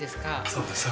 そうです。